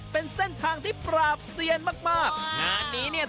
เป็นเส้นทางที่ปราบเซียนมากว้าว